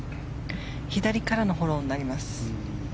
左からのフォローになります。